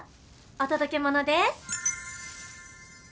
お届け物です。